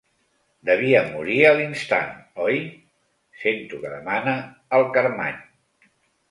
Devia morir a l'instant, oi? —sento que demana el Carmany.